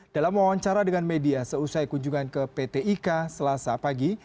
dalam wawancara dengan media seusai kunjungan ke pt ika selasa pagi